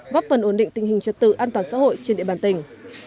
góp phần ổn định tình hình trật tự an toàn xã hội trên địa bàn tỉnh